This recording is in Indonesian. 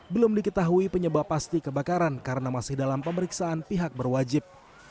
belum diketahui penyebab pasti kebakaran karena masih dalam pemeriksaan pihak berwajib